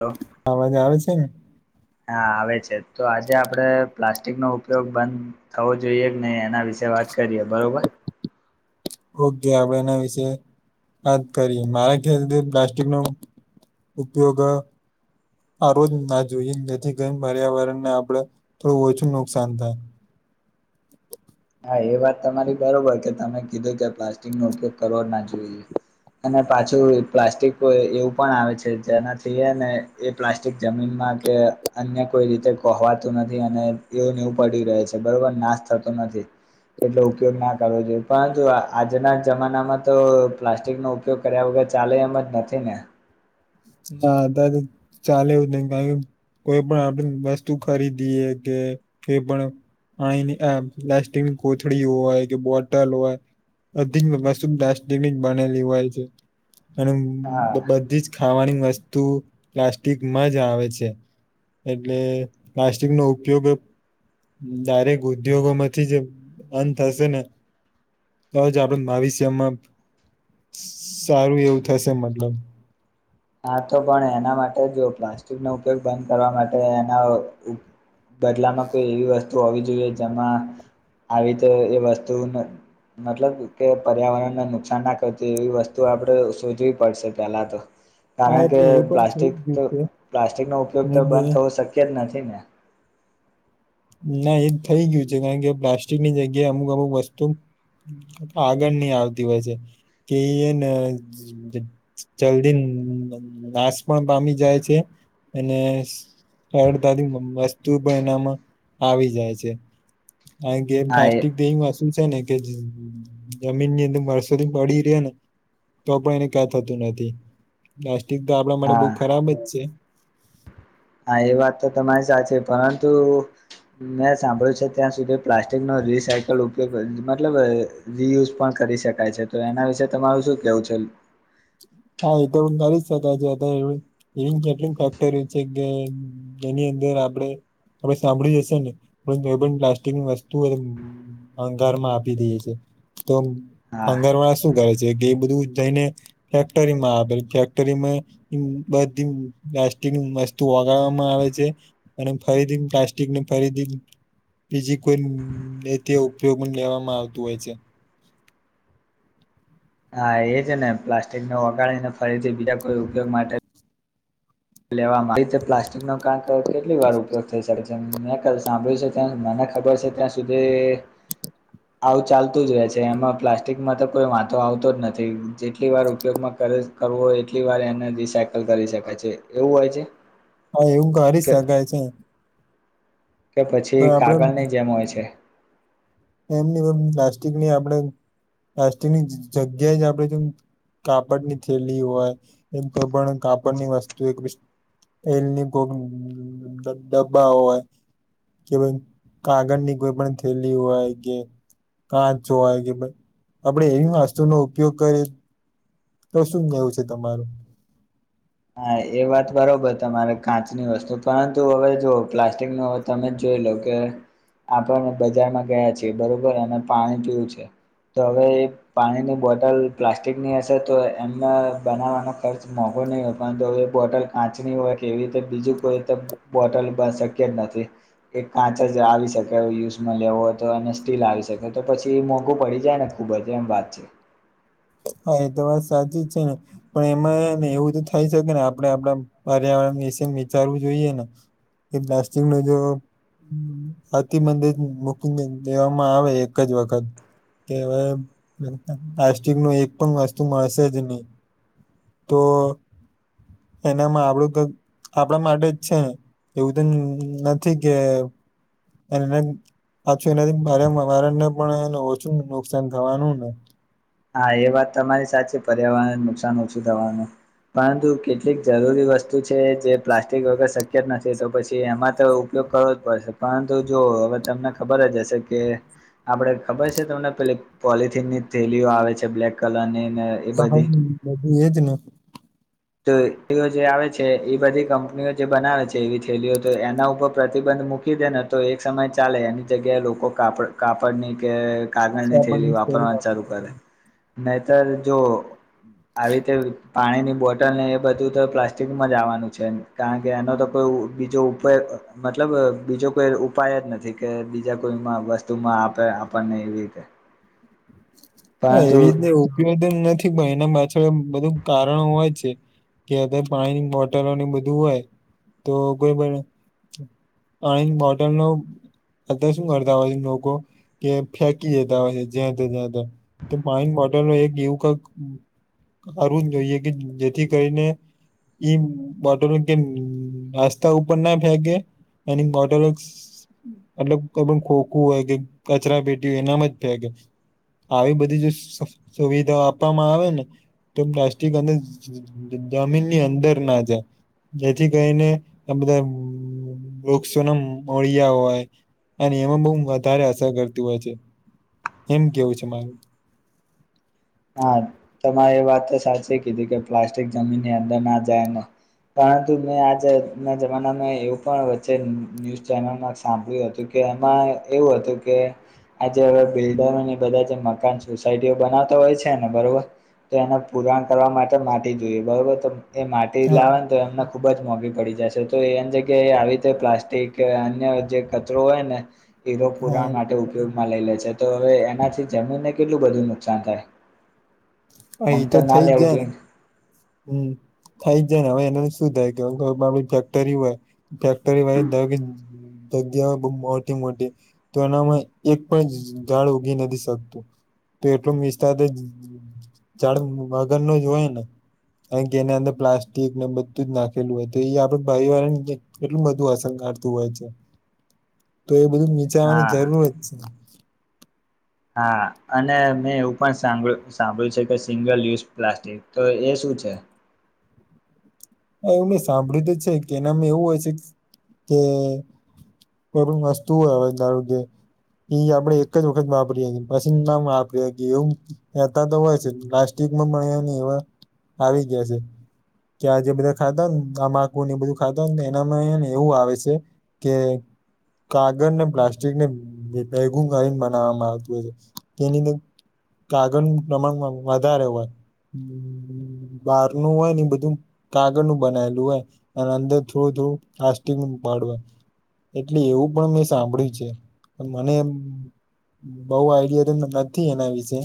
હ અવાજ આવે છે ને હા આવે છે તો આજે આપડે. પ્લાસ્ટિકનો ઉપયોગ બંધ થવો જોઈએ કે નહી એના વિશે વાત કરીએ બરોબર. હો [unintelligible] ગ ગયા [unintelligible] એના વિશે. [unintelligible] કરી મારા ખ્યાલતી પ્લાસ્ટિકનો ઉપયોગ. આ રોજના જોઈ જેથી કરીન પર્યાવરણને આપણે થોડું ઓછું નુકસાન થાય. [inaudible] હા એ વાત તમારી બરોબર કે તમે કીધું કે પ્લાસ્ટિક નો ઉપયોગ કરવો ના જોઈએ અને પાછું પ્લાસ્ટિક એવું પણ આવે છે જેનાથી ને એ પ્લાસ્ટિક જમીન કે અન્ય કોઈ રીતે કહવાતું નથી અને એવું નેવું પડી રહે છે બરોબર નાશ થતો નથી. એટલો ઉપયોગ ના કરવો જોઈએ પરંતુ આજના જમાનામાં તો પ્લાસ્ટિક નો ઉપયોગ કરે. વગર ચાલે એમ જ નથી ને. ના અત્યારે ચાલે એવું ન કારણકે. કોઈ પણ આપણે વસ્તુ ખરીદીએ કે કોઈ પણ. આહીની પ્સ્ટિકની કોથળી હોય કે બોટલ હોય. બધીજ વસ્તુ પ્લાસ્ટિકની જ બનેલી હોય છે અને હા બધી જ. ખાવાની વસ્તુ પ્લાસ્ટિકમાં જ આવે છે. એટલે પ્લાસ્ટિક નો ઉપયોગ. ડારેક ઉદ્યોગોમાંથી જ અંત હશે ને તોજ આપણે ભાવિશ્યમાં. સારું એવું થશે મતલબ. હા તો પણ એના માટે જ પ્લાસ્ટિકનો ઉપયોગ બંધ કરવા માટે એના. બદલામાં કોઈ એવી વસ્તુ હોવી જોઈએ જેમાં આવી રીતે એ વસ્તુ. મતલબ કે પર્યાવરણને નુકસાન ના કરતી એવી વસ્તુ આપડે શોધવી પડશે પેલા તો. હા કારણ કે એટલે એ પણ થઈ જ પ્લાસ્ટિક ગયું છે પ્લાસ્ટિક નો ઉપયોગ તો કારણ કે બંધ થવો શક્ય જ નથી ને. ના એ થઈ ગયું છે, કારણ કે પ્લાસ્ટિકની જગ્યાએ અમુક અમુક વસ્તુ. આગળની આવતી હોય છે. કે એ જલ્દી નાશ પણ પામી જાય છે. અને સરળતાથી વસ્તુ પણ એનામાં આવી જાય છે, કારણકે હા એ પ્લાસ્ટિક દ. શું છે ને કે જમીન ની અંદર વર્ષોથી પડી રે‌ ને. તો પણ એને કં થતું નથી, પ્લાસ્ટિક તો આપણા માટે બહુ હા ખરાબ જ છે.. હા એ વાત તો તમારી સાચી, પરંતુ. મેં સાંભળ્યું છે ત્યાં સુધી પ્લાસ્ટિક નો રીસાયકલ ઉપયોગ મતલબ રિયુઝ પણ કર. કરી શકાય છે તો એના વિશે તમારું શું કેવું છે. હા એ તો કરી જ શકાય, એવી કેટલું ફેક્ટર્યું છે કે એની અંદર. આપણેે. આપણે સાંભળી જ હશે ને કોઇ પણ પ્લાસ્ટિકની વસ્તુ ભંગારમાં આપી દઈએ છે. તો હા ભંગાર વાળા શું કરે છે કે એ બધું જઈને. ફેક્ટરીમાં આપે, ફેક્ટરીમાં બધી પ્લાસ્ટિક વસ્તુ ઓગાડવામાં આવે. અને ફરીથી પ્લાસ્ટિક ને ફરીથી. બીજી કોઈ તે ઉપયોગ લેવામાં આવતું હોય છે. હા એ છે ને પ્લાસ્ટિકને ઓગાડીને ફરીથી બીજા કોઈ ઉપયોગ માટે. લેવામાં આવી રીતે પ્લાસ્ટિક નો કાંક કેટલી વાર ઉપયોગ થઈ શકે મેં ક સાંભળ્યું છે મ. ખબર છે ત્યાં સુધી. આવું ચાલતું જ રહે છે એમાં પ્લાસ્ટિકમાં તો કોઈ વાંધો આવતો જ નથી, જેટલી વાર ઉપયોગમાં. કરવો એટલી વાર એને રિસાયકલ કરી શકાય છે એવું હોય છે. હા એવું કરી કે શકાય છે. કે પણ પછી આપણે કાગળ ની જેમ હોય છે. એમની મ પ્લાસ્ટિકની આપડે પ્લાસ્ટિકની જ-જ-જગ્યાએ જ આપણે જો કાપડની થેલી હોય, એમ કોઈ પણ કાપડની વસ્તુ એક તેલની કોક ડબ્બા હોય કે ભઈ કાગળની કોઈ પણ થેલી હોય કે કાચ હોય કે ભઈ આપડે એવી વસ્તુનો ઉપયોગ કરીએ તો શું કેવું છે તમારું? હા, એ વાત બરોબર તમારે કાચની વસ્તુ, પરંતુ હવે જો પ્લાસ્ટિકનું હવે તમે જો [unintelligible] કે આપડે બજારમાં ગયા છીએ. બરોબર, અને પાણી પીવું છે તો હવે એ પાણીની બોટલ પ્લાસ્ટિકની હશે તો એને બનાવાનો ખર્ચ મોઘો નઈ હો પરંતુ હવે એ બોટલ કાંચની હોય કે એવી રીતે બીજું કોઈ તો બોટલ શક્ય જ નથી. કાંચ જ આવી શકે યુઝમાં લેવો હોય તો, અને સ્ટીલ આવી શકે તો પછી એ મોંઘું પડી જાય ને ખૂબ એતો એમ વાત છે. હા, એ તો વાત સાચી જ છેને. પણ એમાં હેને એવું તો થઈ શકે ને આપડે આપડા પર્યાવરણ વિશે વિચારવું જોઈએ ને, એ પ્લાસ્ટિકનો જો અતિ મંદી બુકિંગ લેવામાં આવે એક જ વખત કે હવે પ્લાસ્ટિકનું એક પણ વસ્તુ મળશે જ નઈ. તો એનામાં આપડું તો આપડા માટે જ છેને. એવું તો નથી કે એને પાછું એનાથી મારે મરણને પણ એન ઓછું નુકસાન થવાનું ને. હા. એ વાત તમારી સાચી, પર્યાવરણને નુકસાન ઓછું થવાનું. પરંતુ કેટલીક જરૂરી વસ્તુ છે જે પ્લાસ્ટિક વગર શક્ય જ નથી, તો પછી એમાં તો ઉપયો કરવો જ પડશે. પરંતુ જો હવે તમને ખબર જ હશે કે આપડે ખબર છે તમને પેલી પોલથીનની થેલીઓ આવે છે બ્લેક કલરની? ને એ બધી [unintelligible] એ જ ને. તો એઓ જે આવે છે એ બધી કંપનીઓ જે બનાવે છે એવી થેલીઓ તો એના ઉપર પ્રતિબંધ મૂકી દે ને તો એક સમય ચાલે. એની જગ્યાએ લોકો કાપડ કાપડ ની કે કાગળની થેલી આપણને સ્ટોરી વાપરવા ન આપે ચાલુ છે. કરે. નહીતર જો આવી રીતે પાણીની બોટ ટલ ને એ બધું તો પ્લાસ્ટિકમાં જ આવવાનું છેન. કારણ કે એનો તો કોઈ ઉ બીજો ઉપ મતલબ તો બીજો કોઈ ઉપાય જ નથી કે બીજા કોઈમાં વસ્તુમાં આપે આપણને એવી રીતે. [inaudible] હન, પરંતુ એવી રીતે ઉપયોગ નથી. પણ એના મા છળ બધું કારણો હોય છે કે અત્યારે પાણીની બોટલોની બધું હોય તો કોઈ પણ પાણી ન બોટલનો અત્યાર શું કરતા હોય લોકો કે ફેંકી દેતા હોય છે. જ્યા [unintelligible] તો પાણીન બોટલો એ કે એવું કાક કરવું જ જોઈએ કે જેથી કરીને ઈ બોટલો કેમ રસ્તા ઉપર ના ફેકેે. અને બોટલો મતલબ કોઈ પણ ખોખું હોય કે કચરા પેટી હોય એનામાં જ ફેકે. [inaudible] આવી બધી જો સફ સુવિધાઓ આપવામાં આવે ને તો પ્લાસ્ટિક અને જમીનની અંદર ના જાય. જેથી કરીને આ બધા વૃક્ષોને મળ્યા હોય. અને એમાં બઉ વધારે અસર કરતી હોય છે. એમ કેવું છે મારું. હા, તમારે એ વાત તો સાચી કીધી કે પ્લાસ્ટિક જમીનની અંદર ના જાયને પરંતુ મેં આજ ના જમાનામાં એવું પણ વચ્ચે ન્યૂઝ ચેનલમાં સાંભળ્યું હતું કે એમાં એવું હતું કે, આ જે હવે બિલ્ડરોની બધા જે મકાન સોસાયટીઓ બનાવ તો હોય છે ને બરોબર. તો એને પુરાણ કરવા માટે માટી જોઈએ બરોબર, તો એ માટી હા લાવે તો એમને ખબ ખુબ જ મોંઘી પડી જશે તો એમ કેય કે આવી રીતે પ્લાસ્ટિક કે અન્ય જે કચરો હોય ને ઈરો હા પુરાણ માટે ઉપયોગમાં લઇ લે છે તો હવે એનાથી જમીનને કેટલુ બધું નુકસાન થાય. અ આમ ઈ તો ના થઇ લેવું જાય જોઈએ ને. હમમ થઈ જાય ને હવે એનાથી શું થાય કે આપ ફેક્ટરી હોય ફેક્ટરી વા એને થય કે જગ્યાઓ બવ મોટી મોટી તો એનામાં એક પણ ઝાડ ઊગી નથી શકતું. તો એટલું મિસ્તા ઝાડ મગન નો જ હોય ને. અને કે એને અંદર પ્લાસ્ટિક ને બધું જ નાખેલું હોય તો એ આપડે પરિવારને કેટલું બધું અસર કરે. કરતું હોય છે તો એ બધું વિચારવાની હા જરૂર જ છે. હા અને મેં એવું પણ સાંભળ્યું સાંભળ્યું છે કે સિંગલ યુઝ પ્લાસ્ટિક તો એ શું? છે. એવું મે સાંભળ્યું તો જ છે કે એનામાં એવું હશે કે કરું વસ્તું હવે ધારો કે ઈ આપડે એક જ વખત વાપરીએ મશીનમાં વાપરી એવું હતા હોય છે પ્લાસ્ટ મળવા ની એવા આવી ગયા છે કયા જે બધા ખાતા ને તમાકુ ને એ બધું ખાતા એનામાંને એવું આવે છે કે કાગળને પ્લાસ્ટિકને ભેગું કરીને બનાવવામાં આવતું હોય છે. તેની કાગળ પ્રમાણ મા વધારે હોય. બાર નું હોય ને બધું કાગળ નું બનાયેલું હોય અને અંદર થોડું થોડું પ્લાસ્ટિક નું પડ હોય. એટલે એવું પણ મેં સાંભળ્યું છે પણ મને બઉ આઈડિયા તો નથી એના વિશે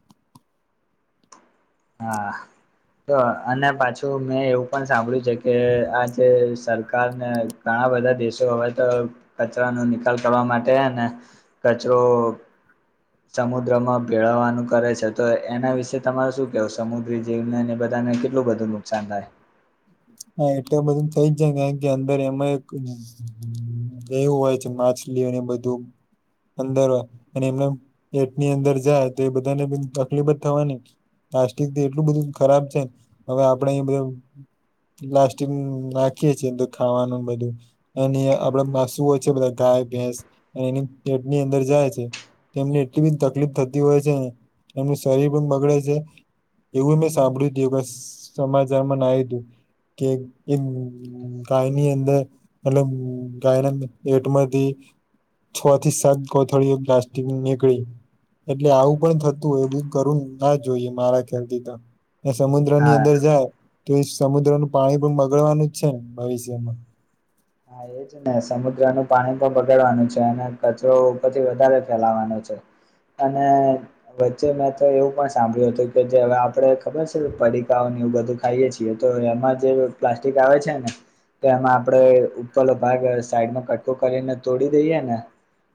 [inaudible] હા. તો અને પાછું મેં એવું પણ સાંભળ્યું છે કે આ જે સરકારને કારણ આ બધા દેશો હવે તો કચરાનો નિકાલ કરવા માટે હે ને કચરો સમુદ્રમાં ભેળવવાનું કરે છે તો એના વિશે તમારો શું કે સમુદ્રી જીવને ની બધાને કેટલું બધું નુકસાન થાય. હા એટલે બધું થઇ જાય ને કે અંદર એમાં એક એવું હોય છે માછલીઓને બધું અંદર અને એમને પેટની અંદર જાય તો એ બધાને તકલીફ જ થવાની. પ્લાસ્ટિક એટલું બધું ખરાબ છેને હવે આપણેે એ બધુ પ્લાસ્ટિક નાખીએે છે તો ખાવાનું બધું અને આપડે માસુઓ છે બધા ગાય ભેંસ અને એની પેટની અંદર જાય છે એમને એટલી બધી તકલીફ થતી હોય છે. એમનું શરીર પણ બગડે છે. એવું મેં સાંભળ્યું તું કે અ સમાચારમાં આયુતું કે ગાયની અંદર મતલબ ગાયના પેટમાં કે છ થી સાત કોથળીઓ પ્લાસ્ટિકની નીકળી. એટલે આવું પણ થતું હોય એ બધુ કરવું ના જોઈએ મારા ખ્યાલથી તો એ સમુદ્ર ની હા અંદર જાય તો એ સમુદ્રનું પાણી પણ બગડવાનું જ છે ને ભવિષ્યમાં એ જ ને સમુદ્ર નું પાણી પણ બગડવાનું છે અને કચરો ઉપરથી વધારે ફેલાવાનો છે. અને વચ્ચે મેં તો એવું પણ સાંભળ્યું હતું કે જે હવે આપડે ખબર છે પડીકા ને એ બધું ખાઈએ છીએ તો એમાં જે પ્લાસ્ટિક આવે છે ને તો એમાં આપણેે પેલો ભાગ સાઈડમાં કટકો કરીને તોડી દઈએે ને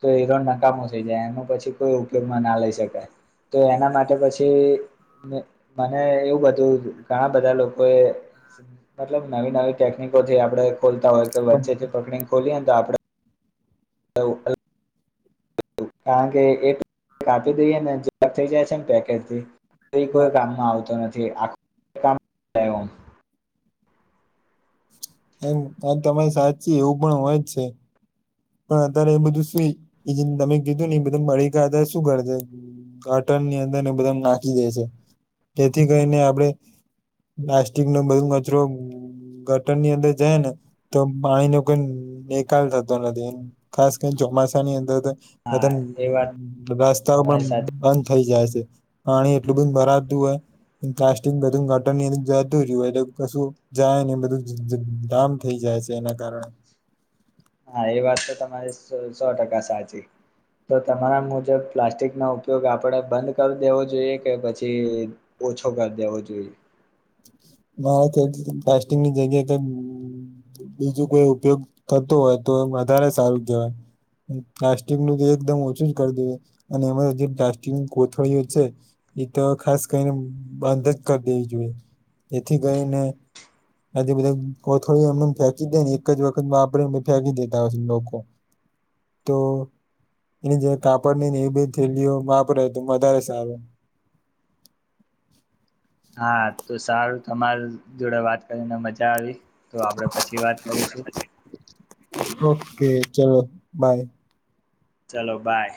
તો હીરો નકામો થઈ જાય અને પછી કોઈ ઉપયોગમાં ના લઈ શકે. તો એના માટે પછી મ મને એવું બધું ઘણા બધા લોકોએ મતલબ નવી નવી ટેકનિક ટેકનીકો થી આપડે ખોલતા હોય કે બરાબર. વચ્ચેથી પકડીને ખોલીએ તો આપડે હું અ. કારણ કે એ કાપી દઈએ ને થઈ જાય છે ને પેકેજ થી. કોઈ હા, કય કામમાં આવતું નથી આખું કામ. એમ વાત તમારી સાચી એવું પણ હોય જ છે. પણ અત્યારે એ બધું સુું તમે કીધું ને એ બધ મળી ગયા ત્યારે શું કરજે. ગટર ની અંદર એ બધા નાખી દે છે જેથી કરીને આપણેે. પ્લાસ્ટિક નો બધું કચરો. ગટર ની અંદર જાય ને તો પાણી નો કોઈ નિકાલ થતો નથી એ. ખાસ કરીને ચોમાસા ની અંદર. હા એ વાત રસ્તાઓ પણ તમારી સાચી બંધ થઈ જાય છે. પાણી એટલું બધુ ભરાતું હોય. પ્લાસ્ટિકબધું ગટર ની જતું રેય એટલે કશું જાય ને એ બધું ધામ થઈ જાય. છે એના કારણે. હા એ વાત તો તમારે સો ટકા સાચી. તો તમારા મુજબ પ્લાસ્ટિક નો ઉપયોગ આપણેે બંધ કરી દેવો જોઈએ કે પછી. ઓછો કરી દેવો જોઈએ. મારે ખ્યાલે પ્લાસ્ટિકની જગ્યા એ તો. બીજું કોઈ ઉપયોગ કરતો હોય તો એ વધારે સારું કહેવાય. પ્લાસ્ટિકનું તો એકદમ ઓછું જ કર દઈએ અને એમાં જે પ્લાસ્ટિકની કોથળીઓ છે. ઈ તો ખાસ કરીને બંધ જ કર દેવી જોઈએ જેથી કરીને. આજે બધા કોથળીઓ એમને એમ ફેંકી દે ને એક જ વખત વાપરે ને પછી ફેંકી દેતા હોય છે લોકો. તો. એની જે કાપડની ને એવી બધી થેલીઓ વાપરે તો વધારે સારું. હા તો સારું તમાર જોડે વાત કરીને મજા આવી. તો આપડે પછી વાત કરીશું. ઓકે ચલો બાય. ચલો બાય.